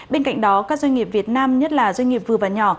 bên cạnh đó các doanh nghiệp việt nam nhất là doanh nghiệp vừa và nhỏ